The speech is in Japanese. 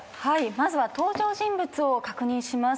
まずは登場人物を確認します。